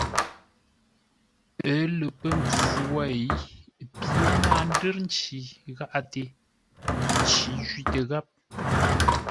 Ə́ lə pə́ mpfu wêi, pye náa ndə́r nci gháʼate; nci jwítə gháp.